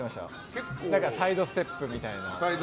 サイドステップみたいな。